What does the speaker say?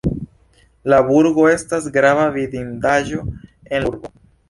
La burgo estas grava vidindaĵo en la urbo.